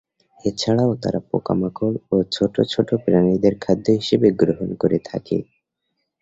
এছাড়াও তারা পোকামাকড় ও ছোটো ছোটো প্রাণীদের খাদ্য হিসেবে গ্রহণ করে থাকে।